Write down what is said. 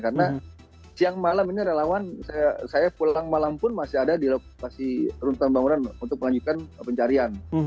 karena siang malam ini relawan saya pulang malam pun masih ada di lokasi runtan bangunan untuk melanjutkan pencarian